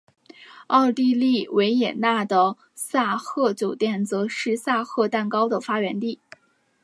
奥地利维也纳的萨赫酒店则是萨赫蛋糕的发源地。